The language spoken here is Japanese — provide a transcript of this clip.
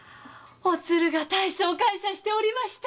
おつるがたいそう感謝しておりました。